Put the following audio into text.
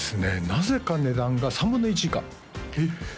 なぜか値段が３分の１以下えっ？